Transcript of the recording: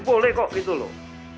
boleh kok gitu loh